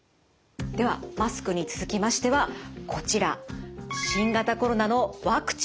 ではマスクに続きましてはこちら新型コロナのワクチンです。